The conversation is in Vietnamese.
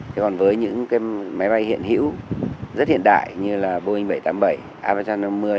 thế còn với máy bay hiện hữu rất hiện đại như boeing bảy trăm tám mươi bảy airbus a ba trăm năm mươi